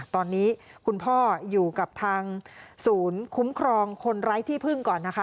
ตอนนี้คุณพ่ออยู่กับทางศูนย์คุ้มครองคนไร้ที่พึ่งก่อนนะคะ